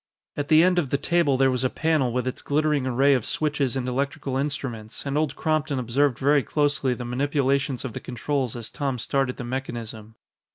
At the end of the table there was a panel with its glittering array of switches and electrical instruments, and Old Crompton observed very closely the manipulations of the controls as Tom started the mechanism.